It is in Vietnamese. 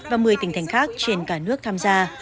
và một mươi tỉnh thành khác trên cả nước tham gia